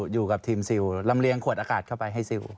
อยู่กับทีมซิลลำเลียงขวดอากาศเข้าไปให้ซิล